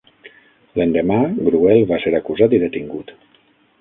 L'endemà, Gruel va ser acusat i detingut.